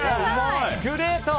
グレート！